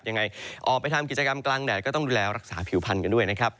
ยังไงออกไปทำกิจกรรมกลางแดดก็ต้องดูแลรักษาผิวพันธ์กันด้วยนะครับ